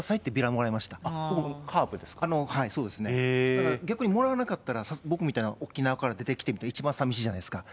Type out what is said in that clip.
だから、逆にもらわなかったら僕みたいな沖縄から出てきて、一番さみしいじゃないですか。